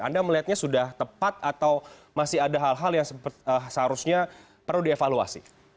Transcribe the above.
anda melihatnya sudah tepat atau masih ada hal hal yang seharusnya perlu dievaluasi